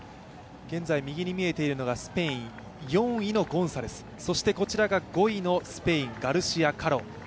現在右に見えているのがスペイン７、４位のゴンザレス、そしてこちらが５位のスペイン、ガルシア・レオン。